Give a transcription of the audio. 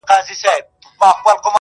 ښه پوهېږمه غمی له ده سره دی،